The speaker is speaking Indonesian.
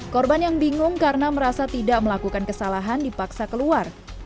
korban yang bingung karena merasa tidak melakukan kesalahan dipaksa keluar